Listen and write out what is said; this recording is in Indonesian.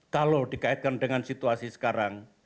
kalau dikaitkan dengan situasi sekarang